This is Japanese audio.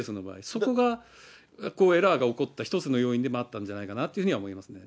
そこが、エラーが起こった一つの要因でもあったんじゃないかなというふううーん。